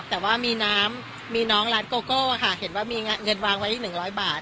แต่ว่ามีน้ำมีน้องร้านโกโก้ค่ะเห็นว่ามีเงินวางไว้๑๐๐บาท